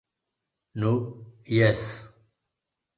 Nu, jes...